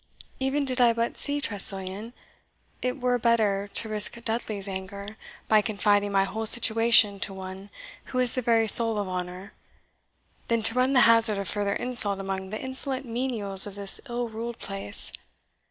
Even did I but see Tressilian, it were better to risk Dudley's anger, by confiding my whole situation to one who is the very soul of honour, than to run the hazard of further insult among the insolent menials of this ill ruled place.